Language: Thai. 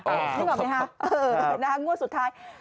คงคงอ่ะนะครับวงว่าสุดท้าย